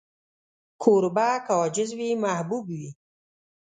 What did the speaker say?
کوربه که عاجز وي، محبوب وي.